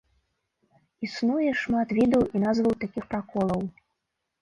Існуе шмат відаў і назваў такіх праколаў.